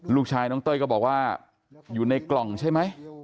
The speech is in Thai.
ลูกชายน้องเต้ยก็บอกว่าอยู่ในกล่องใช่ไหม